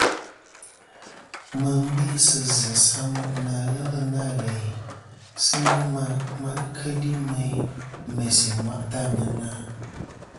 Mɨ n-bê sɨ zɨ̀ samoʼ na ghelɨ nâ ghèyn sɨ ghɨ ma ghɨ keli meyn mèsì ɨ̀mwaʼtɨ ɨ àŋena.